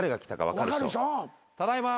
ただいま。